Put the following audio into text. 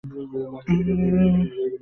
তার পরে, চলো রণক্ষেত্রে!